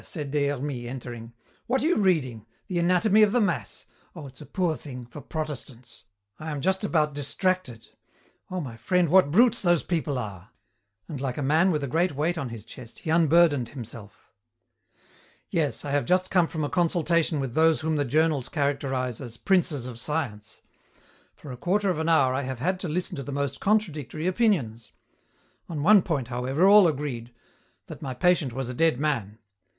said Des Hermies, entering. "What are you reading? The anatomy of the mass? Oh, it's a poor thing, for Protestants. I am just about distracted. Oh, my friend, what brutes those people are," and like a man with a great weight on his chest he unburdened himself. "Yes, I have just come from a consultation with those whom the journals characterize as 'princes of science.' For a quarter of an hour I have had to listen to the most contradictory opinions. On one point, however, all agreed: that my patient was a dead man.